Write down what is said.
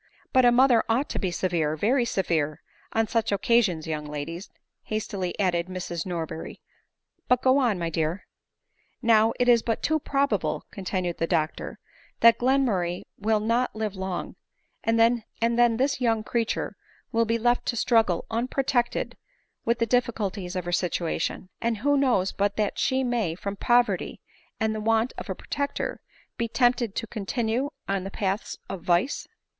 " But a mother ought to be severe, very severe, on such occasions, young ladies," hastily added Mrs^ Nor berry ;" but go on, my dear." " Now it is but too probable," continued the doctor, " that Glenmurray will not live long, and then this young creature will be left to struggle unprotected with the diffi culties of her situation ; and who knows but that she may, from poverty and the want of a protector, be tempted to continue in the paths of vice?"